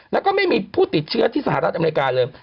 แล้วก็ไม่มีผู้ติดเชื้อที่สหรัฐอเมริกาเลย